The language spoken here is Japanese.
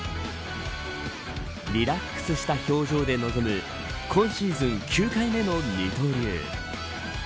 リラックスした表情で臨む今シーズン、９回目の二刀流。